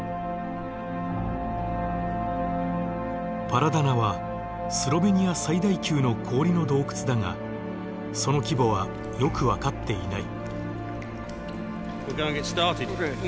パラダナはスロベニア最大級の氷の洞窟だがその規模はよく分かっていない。